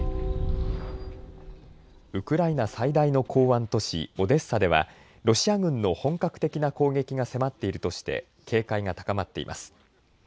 ウクライナ最大の港湾都市オデッサではロシア軍の本格的な攻撃が迫っているとして警戒が高まっています。